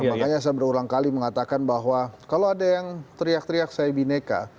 makanya saya berulang kali mengatakan bahwa kalau ada yang teriak teriak saya bineka